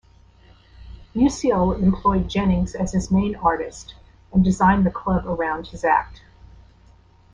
Musiel employed Jennings as his main artist and designed the club around his act.